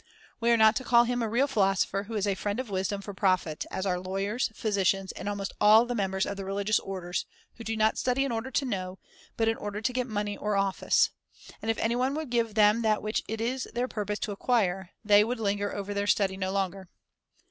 We are not to call him a philo real philosopher who is a friend of wisdom for sopher profit, as are lawyers, physicians, and almost all the members of the religious orders, who do not study in order to know, but in order to get money or office ; and if anyone would give them that which it is their purpose to acquire they would linger over their study no longer.